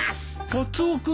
カツオ君。